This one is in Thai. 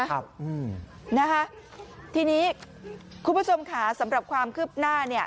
นะคะทีนี้คุณผู้ชมขาสำหรับความคืบหน้าเนี่ย